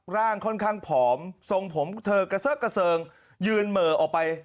ร่างค่อนข้างผอมทรงผมเธอกระซิกกระเซิงยืนเหม่อออกไป